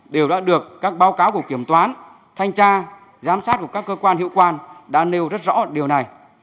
đều đã được các báo cáo của kiểm toán thanh tra giám sát của các cơ quan hiệu quan đã nêu rất rõ điều này